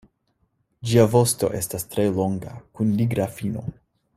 Ĝia vosto estas tre longa kun nigra fino.